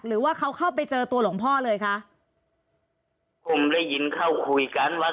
หรือว่าเขาเข้าไปเจอตัวหลวงพ่อเลยคะผมได้ยินเข้าคุยกันว่า